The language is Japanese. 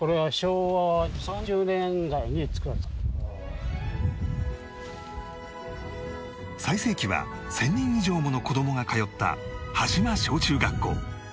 これが最盛期は１０００人以上もの子供が通った端島小中学校